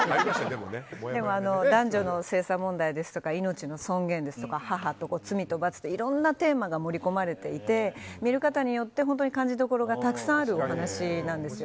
でも、男女の性差問題ですとか命の尊厳ですとか母と子、罪と罰っていろんなテーマが盛り込まれていて見る方によって感じどころがたくさんあるお話です。